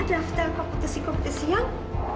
daftar kompetisi kompetisi yang